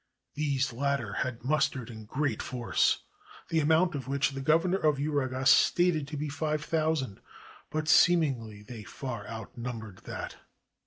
These latter had mustered in great force, the amount of which the Governor of Uraga stated to be five thousand; but, seemingly, they far outnumbered that.